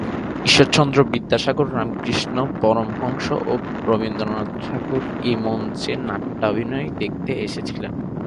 ঈশ্বরচন্দ্র বিদ্যাসাগর, রামকৃষ্ণ পরমহংস ও রবীন্দ্রনাথ ঠাকুর এই মঞ্চে নাট্যাভিনয় দেখতে এসেছিলেন।